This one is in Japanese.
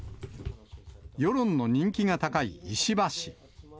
世論の人気が高い石破氏。